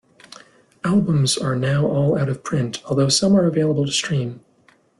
Albums are now all out of print although some are available to stream.